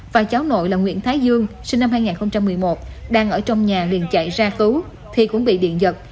và cháu nội là nguyễn thái dương sinh năm hai nghìn một mươi một đang ở trong nhà liền chạy ra cứu thì cũng bị điện giật